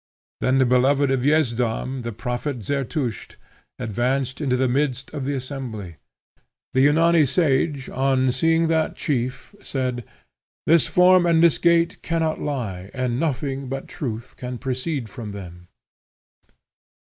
Then the beloved of Yezdam, the prophet Zertusht, advanced into the midst of the assembly. The Yunani sage, on seeing that chief, said, "This form and this gait cannot lie, and nothing but truth can proceed from them."